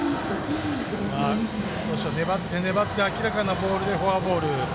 粘って粘って明らかなボールでフォアボール。